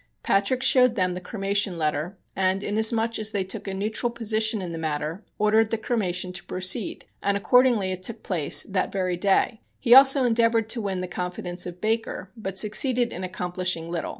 Patrick showed them the cremation letter, and, inasmuch as they took a neutral position in the matter, ordered the cremation to proceed, and accordingly it took place that very day. He also endeavored to win the confidence of Baker, but succeeded in accomplishing little.